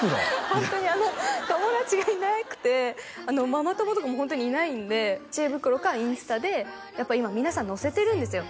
ホントに友達がいなくてママ友とかもホントにいないんで知恵袋かインスタでやっぱ今皆さんのせてるんですよ